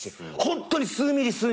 ホントに数ミリ数ミリ。